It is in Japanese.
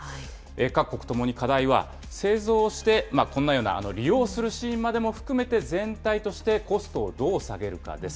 各国ともに課題は製造して、こんなような利用するシーンまでも含めて、全体としてコストをどう下げるかです。